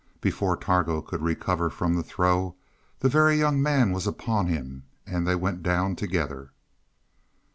Before Targo could recover from the throw the Very Young Man was upon him, and they went down together.